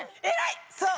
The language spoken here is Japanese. そう！